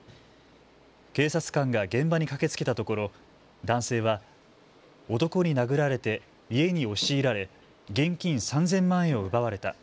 警察官が現場に駆けつけたところ、男性は男に殴られて家に押し入られ現金３０００万円を奪われた。